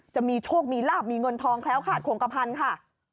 จะมีโชคมีราบมีเงินทองแล้วค่ะของกระพันค่ะ